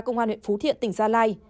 công an huyện phú thiện tỉnh gia lai